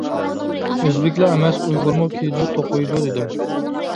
«ئۆزبېكلا ئەمەس، ئۇيغۇرمۇ كىيىدۇ، توقۇيدۇ» دېدىم.